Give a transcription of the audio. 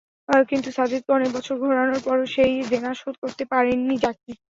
কিন্তু সাজিদকে অনেক বছর ঘোরানোর পরও সেই দেনা শোধ করতে পারেননি জ্যাকি।